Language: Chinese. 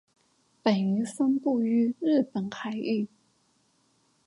本鱼分布于日本海域。